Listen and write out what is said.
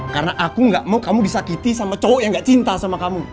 karena aku gak mau kamu disakiti sama cowok yang gak cinta sama kamu